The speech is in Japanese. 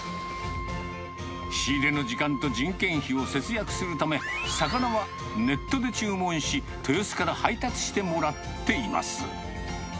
仕入れの時間と人件費を節約するため、魚はネットで注文し、豊洲から配達してもらっています。